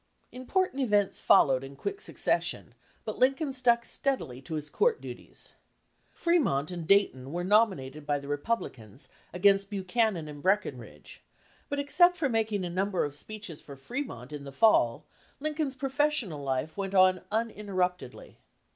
Important events followed in quick succession, but Lincoln stuck steadily to his court duties. Fremont and Dayton were nominated by the Republicans against Buchanan and Breckin ridge; but except for making a number of speeches for Fremont in the fall, Lincoln's pro fessional life went on uninterruptedly.